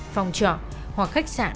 phòng trọ hoặc khách sạn